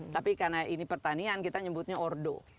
tapi karena ini pertanian kita nyebutnya ordo